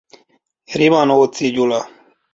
Rimanóczy Gyula.